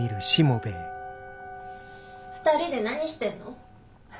２人で何してんの？